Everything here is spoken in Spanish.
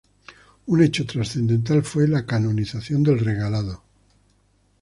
Un hecho trascendental fue la canonización del Regalado.